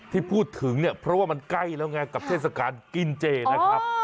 ที่พูดถึงเนี่ยเพราะว่ามันใกล้แล้วไงกับเทศกาลกินเจนะครับ